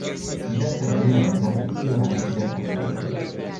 Diversaj areoj en Grand-Britio havis diversajn formojn.